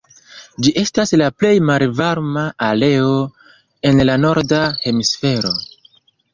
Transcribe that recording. Ĝi estas la plej malvarma areo en la norda hemisfero.